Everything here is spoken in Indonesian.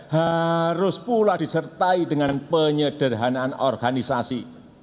harus pula disertai dengan penyederhanaan organisasi